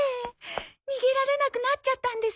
逃げられなくなっちゃったんです。